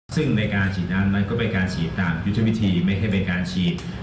ซึ่งในการฉีดน้ำนั้นก็เป็นการฉีดตามยุทธวิธีไม่ใช่เป็นการฉีด